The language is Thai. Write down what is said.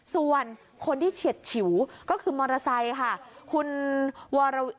ส่วนคนที่เฉียดฉิวก็คือมอเตอร์ไซค์ค่ะคุณวร